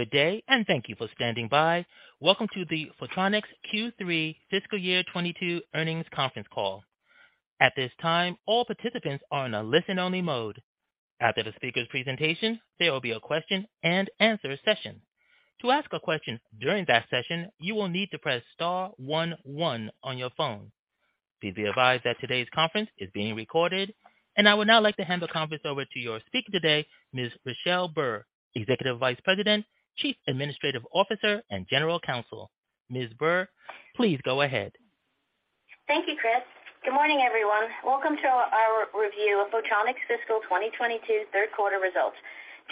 Good day, and thank you for standing by. Welcome to the Photronics Q3 Fiscal Year 2022 Earnings Conference Call. At this time, all participants are in a listen-only mode. After the speaker's presentation, there will be a question-and-answer session. To ask a question during that session, you will need to press star one one on your phone. Please be advised that today's conference is being recorded. I would now like to hand the conference over to your speaker today, Ms. Richelle Burr, Executive Vice President, Chief Administrative Officer, and General Counsel. Ms. Burr, please go ahead. Thank you, Chris. Good morning, everyone. Welcome to our review of Photronics' fiscal 2022 third quarter results.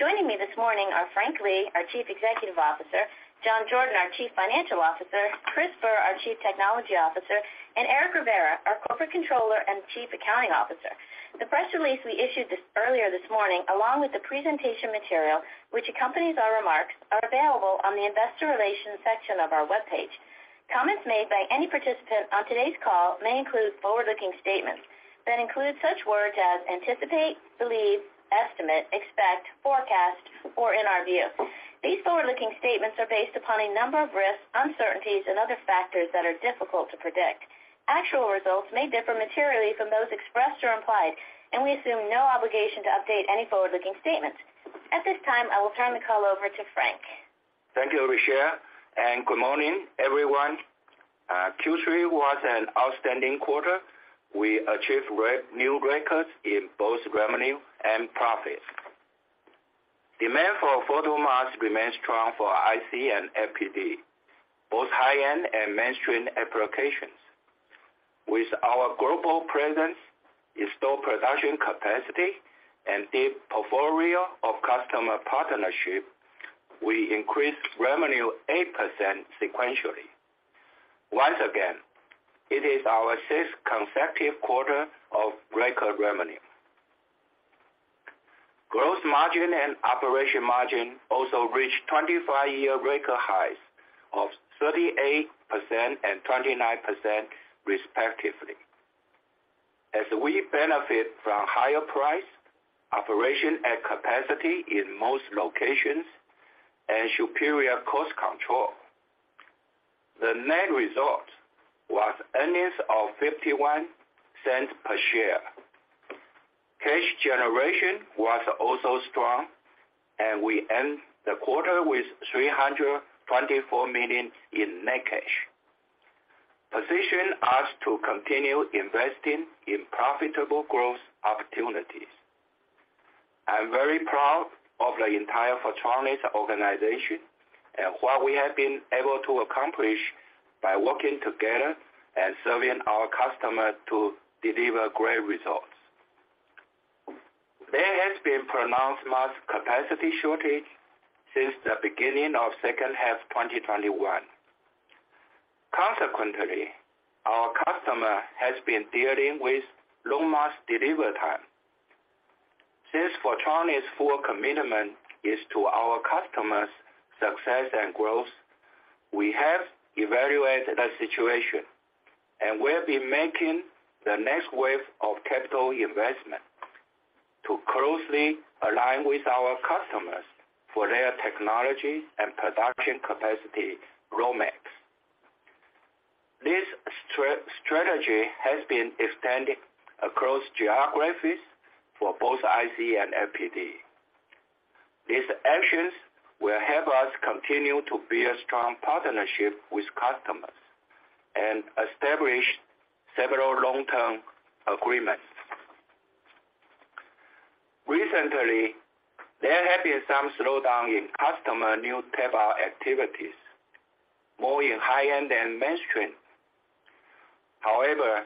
Joining me this morning are Frank Lee, our Chief Executive Officer, John Jordan, our Chief Financial Officer, Christopher Progler, our Chief Technology Officer, and Eric Rivera, our Corporate Controller and Chief Accounting Officer. The press release we issued earlier this morning, along with the presentation material which accompanies our remarks, are available on the investor relations section of our webpage. Comments made by any participant on today's call may include forward-looking statements that include such words as anticipate, believe, estimate, expect, forecast, or in our view. These forward-looking statements are based upon a number of risks, uncertainties, and other factors that are difficult to predict. Actual results may differ materially from those expressed or implied, and we assume no obligation to update any forward-looking statements. At this time, I will turn the call over to Frank Lee. Thank you, Richelle, and good morning, everyone. Q3 was an outstanding quarter. We achieved new records in both revenue and profit. Demand for photomasks remains strong for IC and FPD, both high-end and mainstream applications. With our global presence installed production capacity and deep portfolio of customer partnerships, we increased revenue 8% sequentially. Once again, it is our sixth consecutive quarter of record revenue. Gross margin and operating margin also reached 25-year record highs of 38% and 29% respectively. As we benefit from higher prices, operating at capacity in most locations, and superior cost control, the net result was earnings of $0.51 per share. Cash generation was also strong, and we end the quarter with $324 million in net cash, positioning us to continue investing in profitable growth opportunities. I'm very proud of the entire Photronics organization and what we have been able to accomplish by working together and serving our customers to deliver great results. There has been pronounced mask capacity shortage since the beginning of second half 2021. Consequently, our customer has been dealing with long mask delivery time. Since Photronics' full commitment is to our customers' success and growth, we have evaluated the situation and will be making the next wave of capital investment to closely align with our customers for their technology and production capacity roadmaps. This strategy has been extended across geographies for both IC and FPD. These actions will help us continue to build strong partnership with customers and establish several long-term agreements. Recently, there have been some slowdown in customer new fab activities, more in high-end and mainstream. However,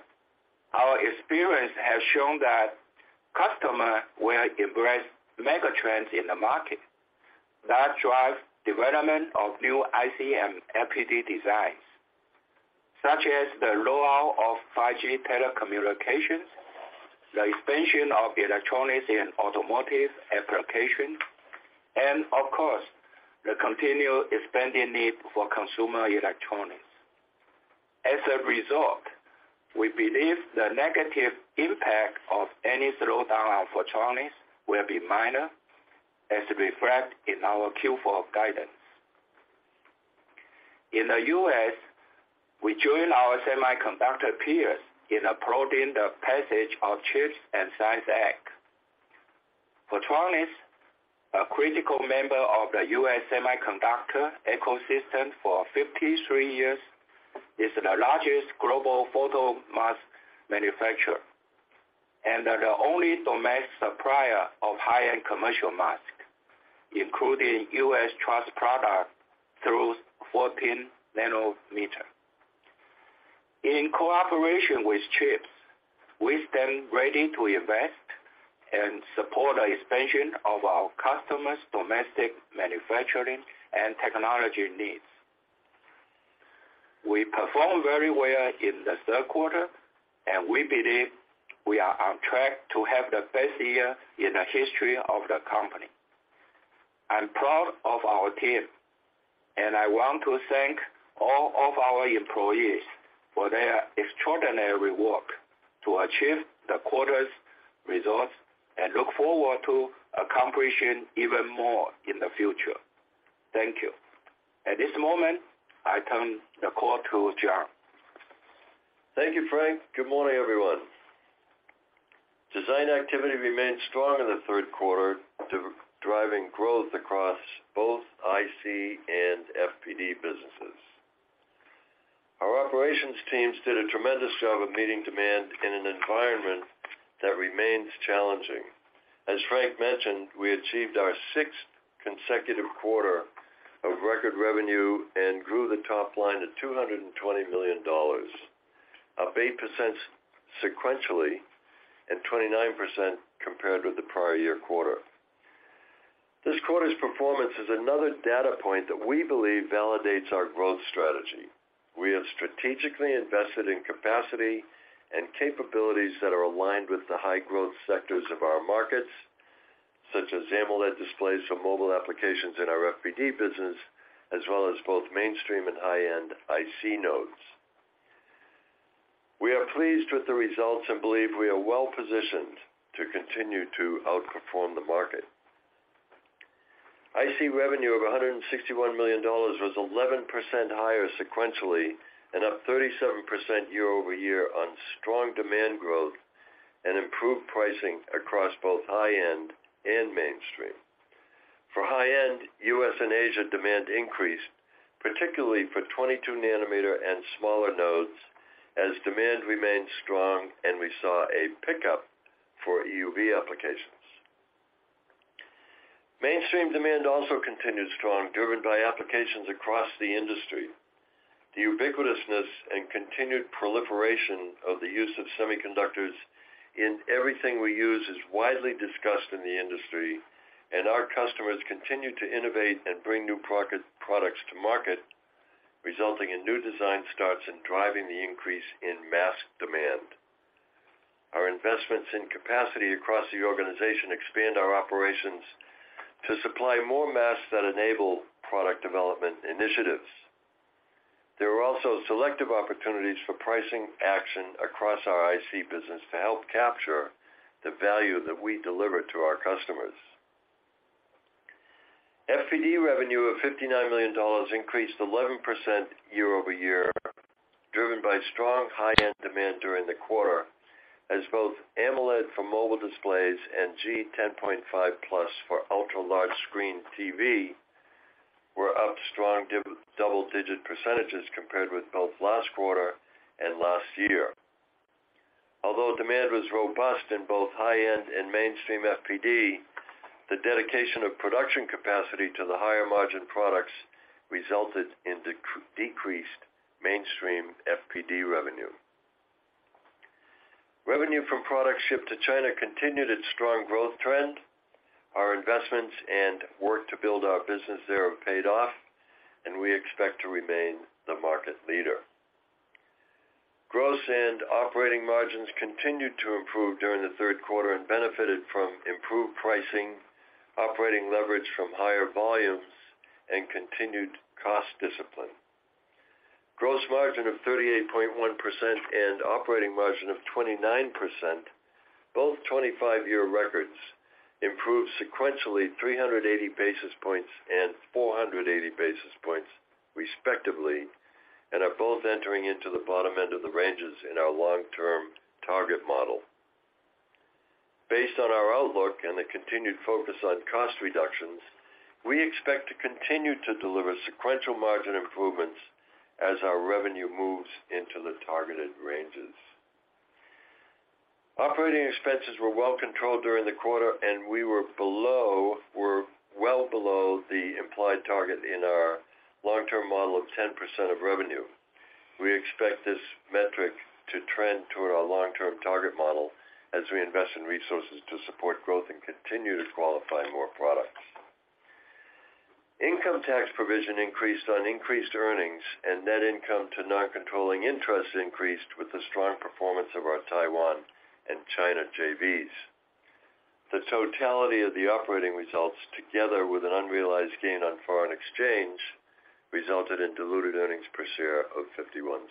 our experience has shown that customers will embrace megatrends in the market that drive development of new IC and FPD designs, such as the rollout of 5G telecommunications, the expansion of electronics in automotive applications, and of course, the continued expanding need for consumer electronics. As a result, we believe the negative impact of any slowdown on Photronics will be minor, as reflected in our Q4 guidance. In the U.S., we join our semiconductor peers in approaching the passage of CHIPS and Science Act. Photronics, a critical member of the U.S. semiconductor ecosystem for 53 years, is the largest global photomask manufacturer and the only domestic supplier of high-end commercial photomask, including U.S. trusted product through 14 nanometer. In cooperation with CHIPS, we stand ready to invest and support the expansion of our customers' domestic manufacturing and technology needs. We performed very well in the third quarter, and we believe we are on track to have the best year in the history of the company. I'm proud of our team. I want to thank all of our employees for their extraordinary work to achieve the quarter's results and look forward to accomplishing even more in the future. Thank you. At this moment, I turn the call to John. Thank you, Frank. Good morning, everyone. Design activity remained strong in the third quarter, driving growth across both IC and FPD businesses. Our operations teams did a tremendous job of meeting demand in an environment that remains challenging. As Frank mentioned, we achieved our sixth consecutive quarter of record revenue and grew the top line to $220 million, up 8% sequentially and 29% compared with the prior year quarter. This quarter's performance is another data point that we believe validates our growth strategy. We have strategically invested in capacity and capabilities that are aligned with the high-growth sectors of our markets, such as AMOLED displays for mobile applications in our FPD business, as well as both mainstream and high-end IC nodes. We are pleased with the results and believe we are well-positioned to continue to outperform the market. IC revenue of $161 million was 11% higher sequentially and up 37% year-over-year on strong demand growth and improved pricing across both high-end and mainstream. For high-end, U.S. and Asia demand increased, particularly for 22 nm and smaller nodes as demand remained strong, and we saw a pickup for EUV applications. Mainstream demand also continued strong, driven by applications across the industry. The ubiquitousness and continued proliferation of the use of semiconductors in everything we use is widely discussed in the industry, and our customers continue to innovate and bring new products to market, resulting in new design starts and driving the increase in mask demand. Our investments in capacity across the organization expand our operations to supply more masks that enable product development initiatives. There are also selective opportunities for pricing action across our IC business to help capture the value that we deliver to our customers. FPD revenue of $59 million increased 11% year-over-year, driven by strong high-end demand during the quarter, as both AMOLED for mobile displays and G10.5+ for ultra-large screen TV were up strong double-digit percentages compared with both last quarter and last year. Although demand was robust in both high-end and mainstream FPD, the dedication of production capacity to the higher margin products resulted in decreased mainstream FPD revenue. Revenue from products shipped to China continued its strong growth trend. Our investments and work to build our business there have paid off, and we expect to remain the market leader. Gross and operating margins continued to improve during the third quarter and benefited from improved pricing, operating leverage from higher volumes, and continued cost discipline. Gross margin of 38.1% and operating margin of 29%, both 25-year records, improved sequentially 380 basis points and 480 basis points, respectively, and are both entering into the bottom end of the ranges in our long-term target model. Based on our outlook and the continued focus on cost reductions, we expect to continue to deliver sequential margin improvements as our revenue moves into the targeted ranges. Operating expenses were well controlled during the quarter, and we were well below the implied target in our long-term model of 10% of revenue. We expect this metric to trend toward our long-term target model as we invest in resources to support growth and continue to qualify more products. Income tax provision increased on increased earnings, and net income to non-controlling interests increased with the strong performance of our Taiwan and China JVs. The totality of the operating results, together with an unrealized gain on foreign exchange, resulted in diluted earnings per share of $0.51.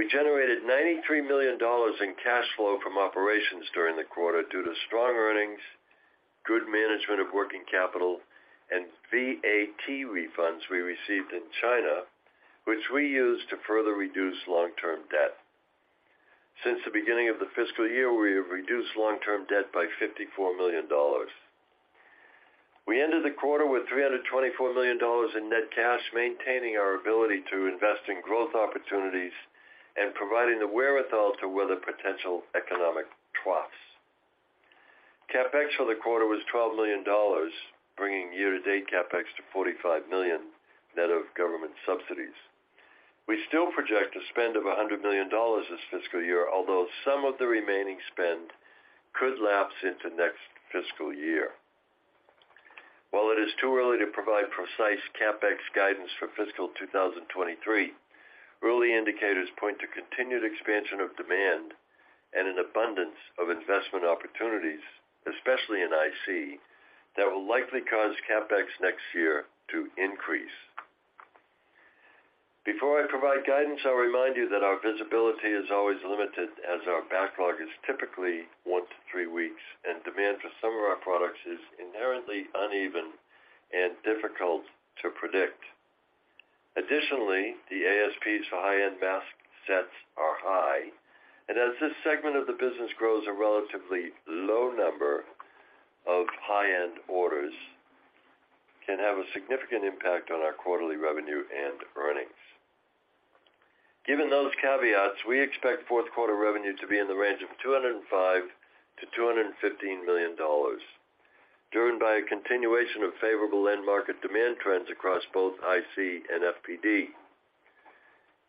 We generated $93 million in cash flow from operations during the quarter due to strong earnings, good management of working capital, and VAT refunds we received in China, which we used to further reduce long-term debt. Since the beginning of the fiscal year, we have reduced long-term debt by $54 million. We ended the quarter with $324 million in net cash, maintaining our ability to invest in growth opportunities and providing the wherewithal to weather potential economic troughs. CapEx for the quarter was $12 million, bringing year-to-date CapEx to $45 million, net of government subsidies. We still project a spend of $100 million this fiscal year, although some of the remaining spend could lapse into next fiscal year. While it is too early to provide precise CapEx guidance for fiscal 2023. Early indicators point to continued expansion of demand and an abundance of investment opportunities, especially in IC, that will likely cause CapEx next year to increase. Before I provide guidance, I'll remind you that our visibility is always limited as our backlog is typically one to three weeks, and demand for some of our products is inherently uneven and difficult to predict. Additionally, the ASPs for high-end mask sets are high, and as this segment of the business grows, a relatively low number of high-end orders can have a significant impact on our quarterly revenue and earnings. Given those caveats, we expect fourth quarter revenue to be in the range of $205 million-$215 million, driven by a continuation of favorable end market demand trends across both IC and FPD.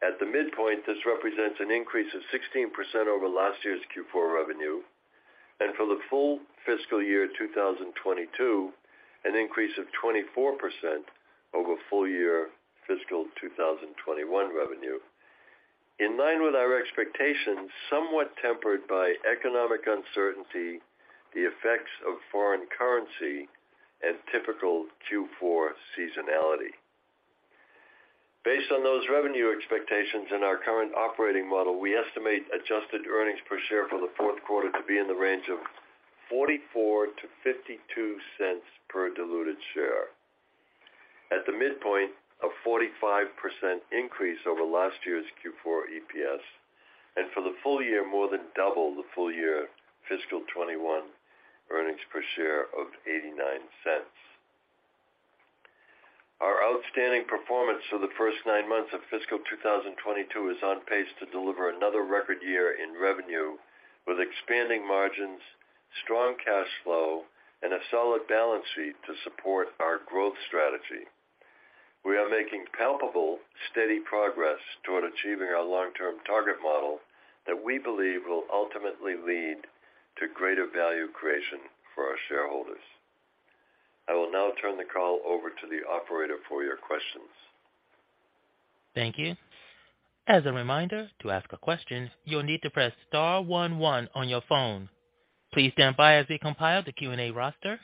At the midpoint, this represents an increase of 16% over last year's Q4 revenue, and for the full fiscal year 2022, an increase of 24% over full year fiscal 2021 revenue. In line with our expectations, somewhat tempered by economic uncertainty, the effects of foreign currency, and typical Q4 seasonality. Based on those revenue expectations in our current operating model, we estimate adjusted earnings per share for the fourth quarter to be in the range of $0.44-$0.52 per diluted share. At the midpoint, a 45% increase over last year's Q4 EPS, and for the full year, more than double the full year fiscal 2021 earnings per share of $0.89. Our outstanding performance for the first nine months of fiscal 2022 is on pace to deliver another record year in revenue, with expanding margins, strong cash flow, and a solid balance sheet to support our growth strategy. We are making palpable, steady progress toward achieving our long-term target model that we believe will ultimately lead to greater value creation for our shareholders. I will now turn the call over to the operator for your questions. Thank you. As a reminder, to ask a question, you'll need to press star one one on your phone. Please stand by as we compile the Q&A roster.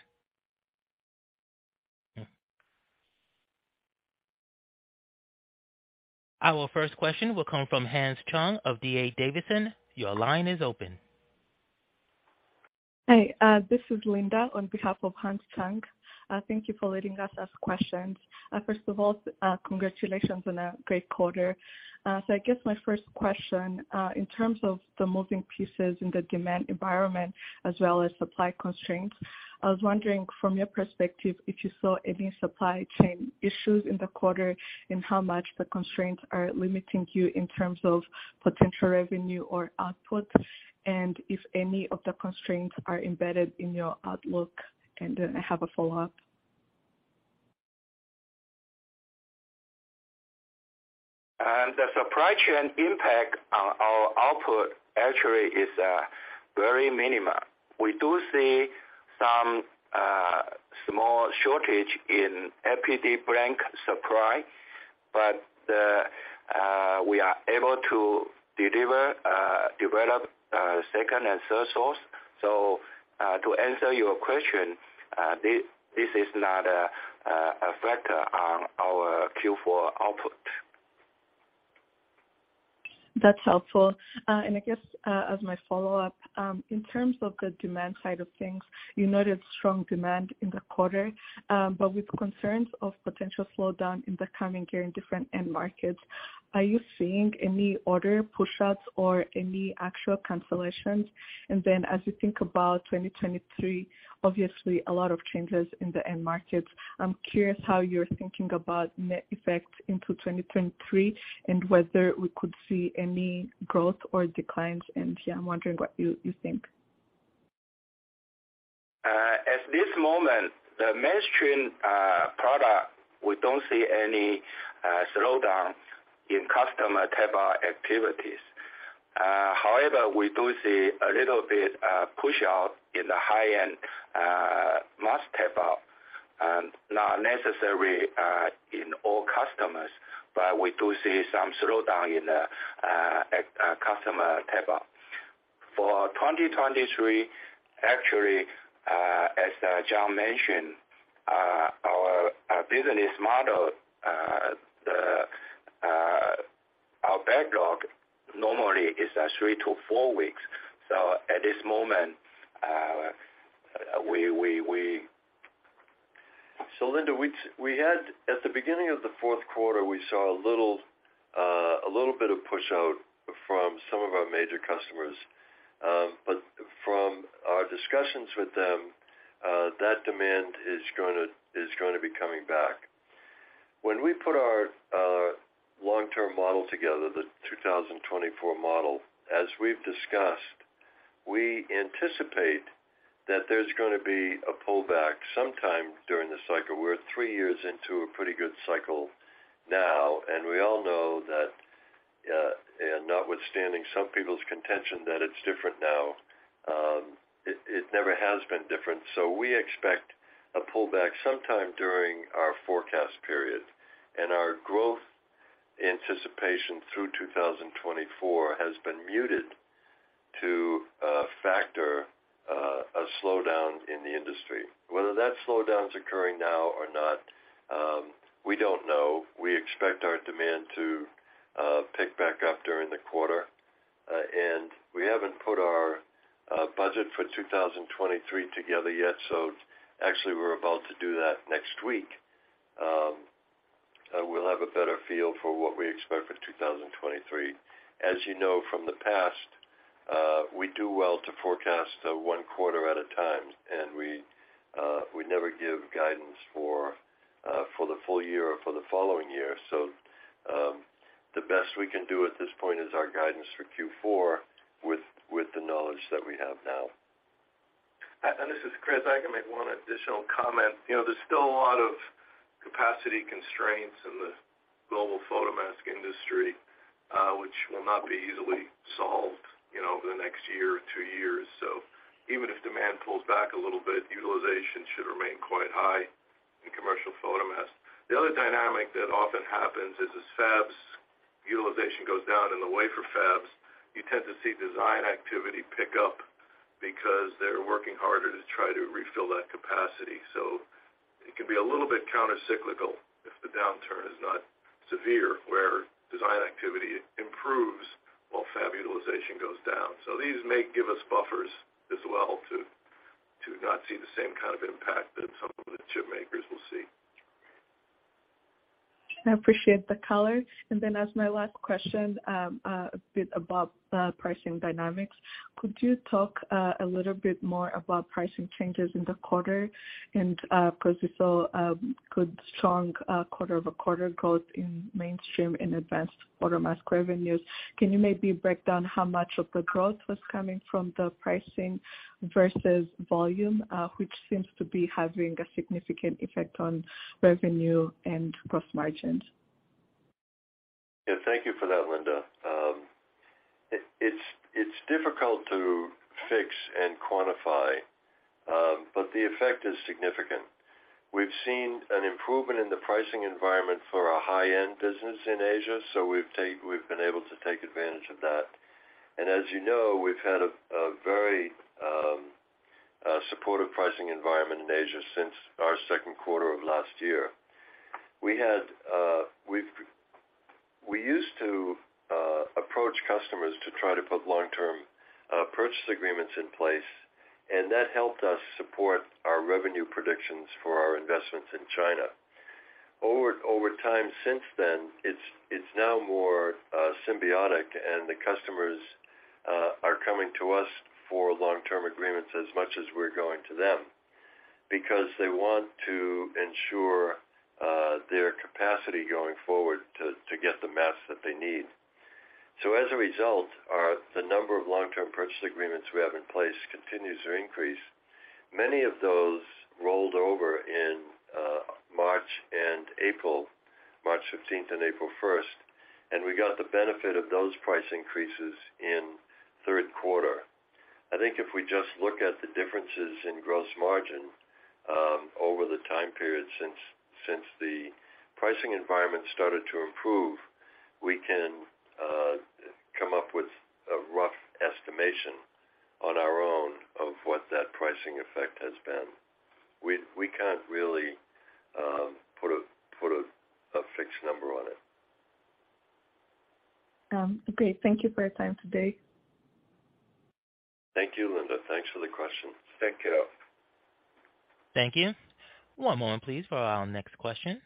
Our first question will come from Hans Chung of D.A. Davidson. Your line is open. Hi, this is Linda on behalf of Hans Chung. Thank you for letting us ask questions. First of all, congratulations on a great quarter. I guess my first question, in terms of the moving pieces in the demand environment as well as supply constraints, I was wondering from your perspective if you saw any supply chain issues in the quarter, and how much the constraints are limiting you in terms of potential revenue or output, and if any of the constraints are embedded in your outlook. I have a follow-up. The supply chain impact on our output actually is very minimal. We do see some small shortage in FPD blank supply, but we are able to develop second and third source. To answer your question, this is not a factor on our Q4 output. That's helpful. I guess, as my follow-up, in terms of the demand side of things, you noted strong demand in the quarter, but with concerns of potential slowdown in the coming year in different end markets, are you seeing any order pushouts or any actual cancellations? As you think about 2023, obviously a lot of changes in the end markets. I'm curious how you're thinking about net effect into 2023, and whether we could see any growth or declines. Yeah, I'm wondering what you think. At this moment, the mainstream product, we don't see any slowdown in customer tape-out activities. However, we do see a little bit push out in the high-end mask tape-out, not necessarily in all customers, but we do see some slowdown in the customer tape-out. For 2023, actually, as John mentioned, our business model, our backlog normally is at three to four weeks. At this moment, we. Linda, at the beginning of the fourth quarter, we saw a little bit of push out from some of our major customers. But from our discussions with them, that demand is gonna be coming back. When we put our long-term model together, the 2024 model, as we've discussed, we anticipate that there's gonna be a pullback sometime during this cycle. We're three years into a pretty good cycle now, and we all know that, and notwithstanding some people's contention that it's different now, it never has been different. We expect a pullback sometime during our forecast period, and our growth anticipation through 2024 has been muted to factor a slowdown in the industry. Whether that slowdown is occurring now or not, we don't know. We expect our demand to pick back up during the quarter. We haven't put our budget for 2023 together yet, so actually we're about to do that next week. We'll have a better feel for what we expect for 2023. As you know from the past, we do well to forecast one quarter at a time, and we never give guidance for the full year or for the following year. The best we can do at this point is our guidance for Q4 with the knowledge that we have now. This is Chris. I can make one additional comment. You know, there's still a lot of capacity constraints in the global photomask industry, which will not be easily solved, you know, over the next year or two years. Even if demand pulls back a little bit, utilization should remain quite high in commercial photomasks. The other dynamic that often happens is as fabs utilization goes down in the wafer fabs, you tend to see design activity pick up because they're working harder to try to refill that capacity. It can be a little bit countercyclical if the downturn is not severe, where design activity improves while fab utilization goes down. These may give us buffers as well to not see the same kind of impact that some of the chip makers will see. I appreciate the color. As my last question, a bit about pricing dynamics. Could you talk a little bit more about pricing changes in the quarter? Because we saw a good strong quarter-over-quarter growth in mainstream and advanced photomask revenues. Can you maybe break down how much of the growth was coming from the pricing versus volume, which seems to be having a significant effect on revenue and gross margins? Yeah, thank you for that, Linda. It's difficult to fix and quantify, but the effect is significant. We've seen an improvement in the pricing environment for our high-end business in Asia, so we've been able to take advantage of that. As you know, we've had a very supportive pricing environment in Asia since our second quarter of last year. We used to approach customers to try to put long-term purchase agreements in place, and that helped us support our revenue predictions for our investments in China. Over time since then, it's now more symbiotic and the customers are coming to us for long-term agreements as much as we're going to them because they want to ensure their capacity going forward to get the masks that they need. As a result, the number of long-term purchase agreements we have in place continues to increase. Many of those rolled over in March and April, March 15th and April 1st, and we got the benefit of those price increases in third quarter. I think if we just look at the differences in gross margin over the time period since the pricing environment started to improve, we can come up with a rough estimation on our own of what that pricing effect has been. We can't really put a fixed number on it. Okay. Thank you for your time today. Thank you, Linda. Thanks for the question. Take care. Thank you. One moment please for our next question.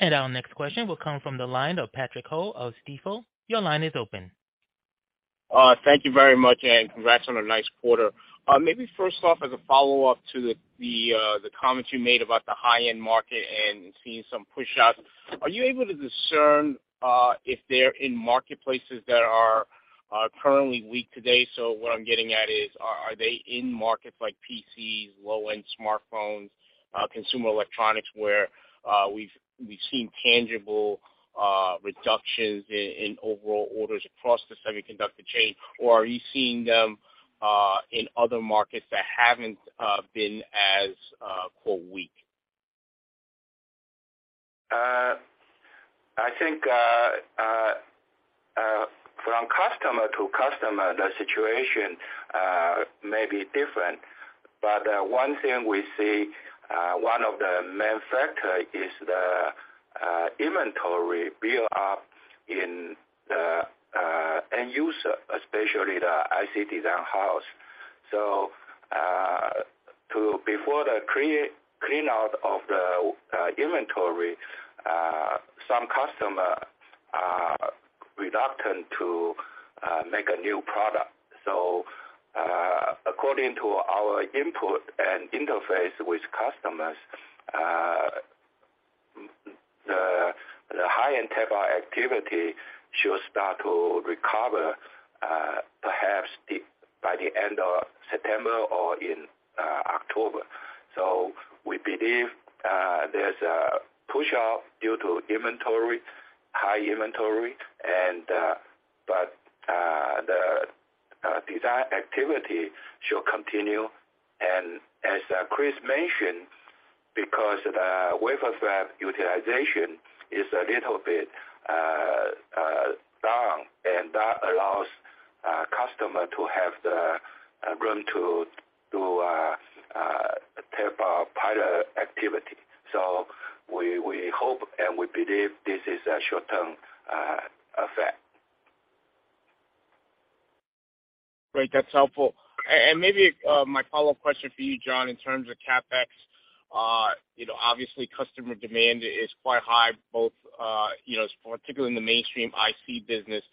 Our next question will come from the line of Patrick Ho of Stifel. Your line is open. Thank you very much, and congrats on a nice quarter. Maybe first off, as a follow-up to the comments you made about the high-end market and seeing some pushouts. Are you able to discern if they're in marketplaces that are currently weak today? What I'm getting at is, are they in markets like PCs, low-end smartphones, consumer electronics, where we've seen tangible reductions in overall orders across the semiconductor chain? Or are you seeing them in other markets that haven't been as, quote, "weak"? I think from customer to customer, the situation may be different. One thing we see, one of the main factor is the inventory build up in the end user, especially the IC design house. Prior to the clean out of the inventory, some customer are reluctant to make a new product. According to our input and interface with customers, the high-end fab activity should start to recover, perhaps by the end of September or in October. We believe there's a pushout due to inventory, high inventory, but the design activity should continue. As Chris mentioned, because the wafer fab utilization is a little bit down, and that allows our customer to have the room to tap our pilot activity. We hope and we believe this is a short-term effect. Great. That's helpful. Maybe my follow-up question for you, John, in terms of CapEx, you know, obviously customer demand is quite high, both you know, particularly in the mainstream IC business.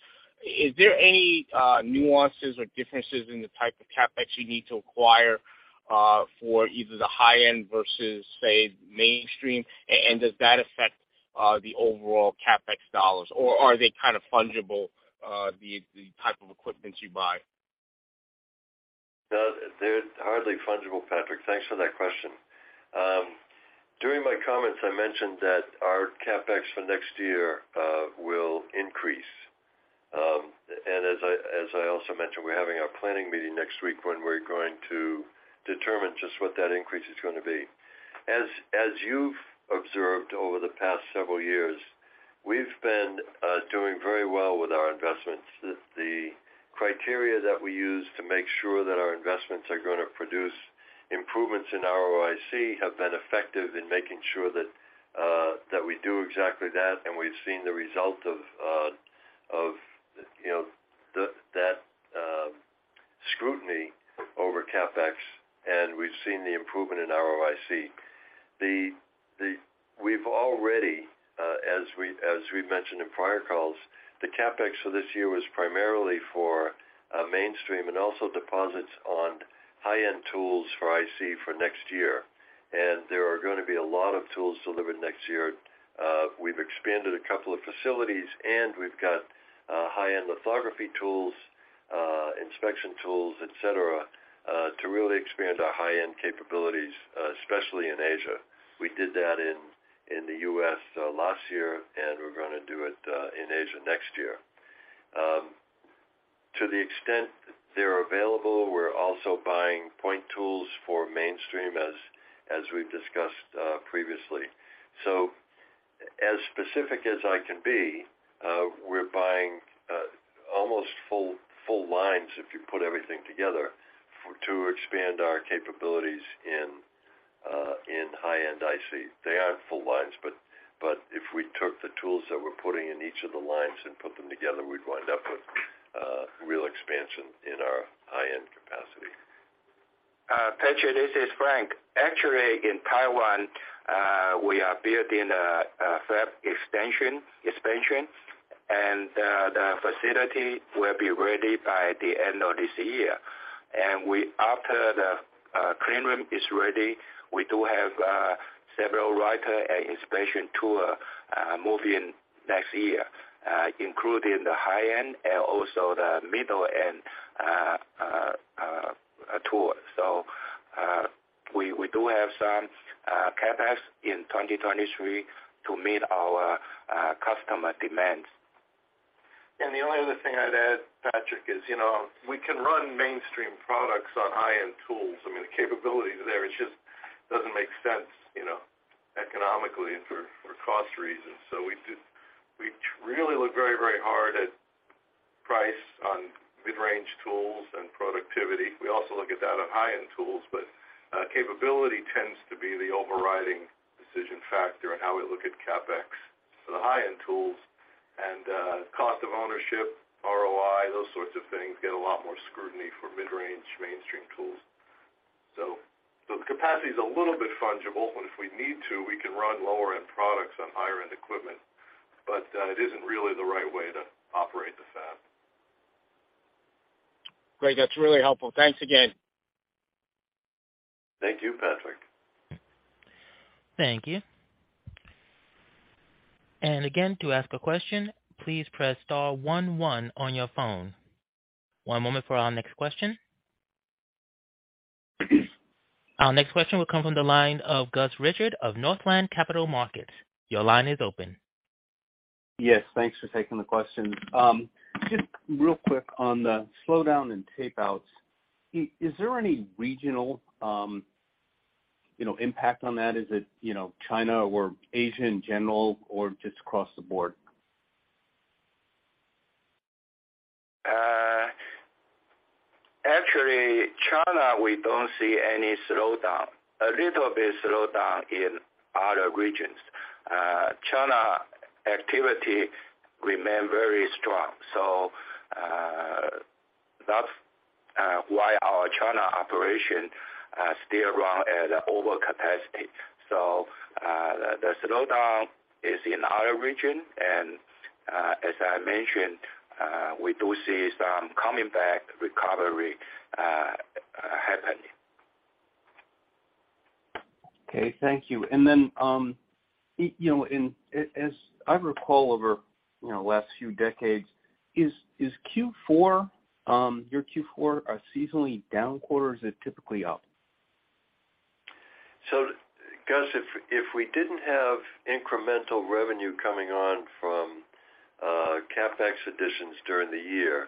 Is there any nuances or differences in the type of CapEx you need to acquire for either the high-end versus, say, mainstream? Does that affect the overall CapEx dollars, or are they kind of fungible, the type of equipment you buy? No, they're hardly fungible, Patrick. Thanks for that question. During my comments, I mentioned that our CapEx for next year will increase. As I also mentioned, we're having our planning meeting next week when we're going to determine just what that increase is gonna be. As you've observed over the past several years, we've been doing very well with our investments. The criteria that we use to make sure that our investments are gonna produce improvements in ROIC have been effective in making sure that we do exactly that, and we've seen the result of, you know, that scrutiny over CapEx, and we've seen the improvement in ROIC. We've already, as we've mentioned in prior calls, the CapEx for this year was primarily for mainstream and also deposits on high-end tools for IC for next year. There are gonna be a lot of tools delivered next year. We've expanded a couple of facilities, and we've got high-end lithography tools, inspection tools, et cetera, to really expand our high-end capabilities, especially in Asia. We did that in the U.S. last year, and we're gonna do it in Asia next year. To the extent they're available, we're also buying point tools for mainstream as we've discussed previously. As specific as I can be, we're buying almost full lines if you put everything together to expand our capabilities in high-end IC. They aren't full lines, but if we took the tools that we're putting in each of the lines and put them together, we'd wind up with real expansion in our high-end capacity. Patrick, this is Frank. Actually, in Taiwan, we are building a fab expansion, and the facility will be ready by the end of this year. After the clean room is ready, we do have several writer and inspection tool move in next year, including the high-end and also the middle-end tool. We do have some CapEx in 2023 to meet our customer demands. The only other thing I'd add, Patrick, is, you know, we can run mainstream products on high-end tools. I mean, the capability is there. It just doesn't make sense, you know, economically and for cost reasons. We really look very, very hard at price on mid-range tools and productivity. We also look at that on high-end tools, but capability tends to be the overriding decision factor in how we look at CapEx for the high-end tools. Cost of ownership, ROI, those sorts of things get a lot more scrutiny for mid-range mainstream tools. So the capacity is a little bit fungible, and if we need to, we can run lower-end products on higher-end equipment, but it isn't really the right way to operate the fab. Great. That's really helpful. Thanks again. Thank you, Patrick. Thank you. Again, to ask a question, please press star one one on your phone. One moment for our next question. Our next question will come from the line of Gus Richard of Northland Capital Markets. Your line is open. Yes, thanks for taking the question. Just real quick on the slowdown in tape outs, is there any regional, you know, impact on that? Is it, you know, China or Asia in general or just across the board? Actually, China, we don't see any slowdown. A little bit slowdown in other regions. China activity remain very strong. That's why our China operation still run at over capacity. The slowdown is in other region, and as I mentioned, we do see some coming back recovery. Okay, thank you. You know, as I recall over, you know, last few decades, is Q4 your Q4 a seasonally down quarter, or is it typically up? Gus, if we didn't have incremental revenue coming on from CapEx additions during the year,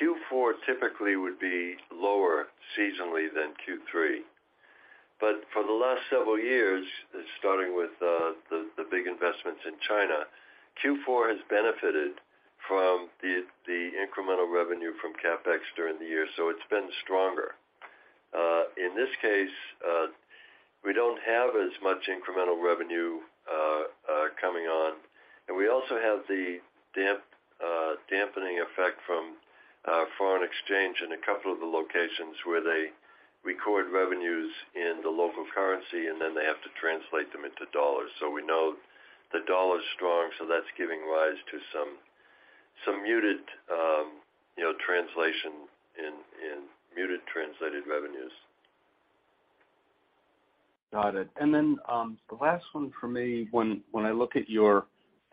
Q4 typically would be lower seasonally than Q3. For the last several years, starting with the big investments in China, Q4 has benefited from the incremental revenue from CapEx during the year, so it's been stronger. In this case, we don't have as much incremental revenue coming on, and we also have the dampening effect from foreign exchange in a couple of the locations where they record revenues in the local currency, and then they have to translate them into dollars. We know the dollar's strong, so that's giving rise to some muted you know translation in muted translated revenues. Got it. The last one for me, when I look at your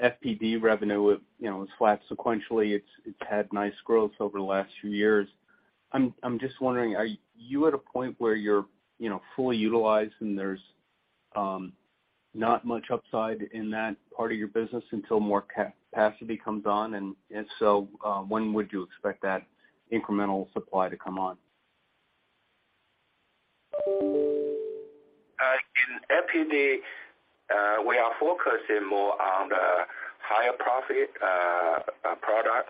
FPD revenue, you know, it's flat sequentially. It's had nice growth over the last few years. I'm just wondering, are you at a point where you're, you know, fully utilized and there's not much upside in that part of your business until more capacity comes on? If so, when would you expect that incremental supply to come on? In FPD, we are focusing more on the higher profit product.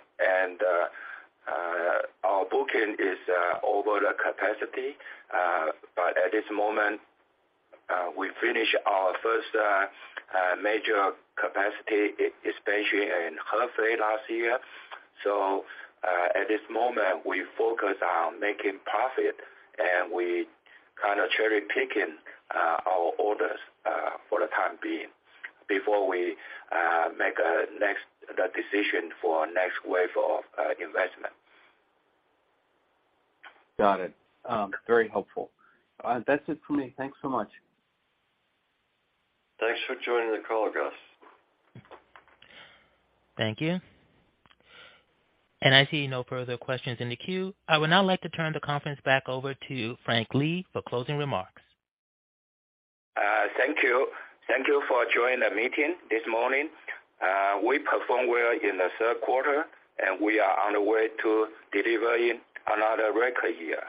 Our booking is over the capacity. At this moment, we finish our first major capacity, especially in Hefei last year. At this moment, we focus on making profit, and we kinda cherry-picking our orders for the time being before we make the decision for next wave of investment. Got it. Very helpful. That's it for me. Thanks so much. Thanks for joining the call, Gus. Thank you. I see no further questions in the queue. I would now like to turn the conference back over to Frank Lee for closing remarks. Thank you. Thank you for joining the meeting this morning. We performed well in the third quarter, and we are on the way to delivering another record year.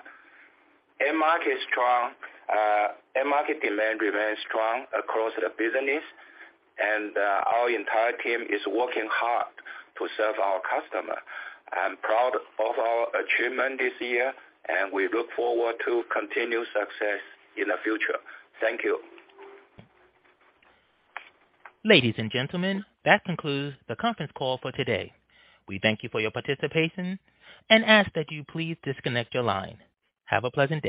End market is strong. End market demand remains strong across the business, and our entire team is working hard to serve our customer. I'm proud of our achievement this year, and we look forward to continued success in the future. Thank you. Ladies and gentlemen, that concludes the conference call for today. We thank you for your participation and ask that you please disconnect your line. Have a pleasant day.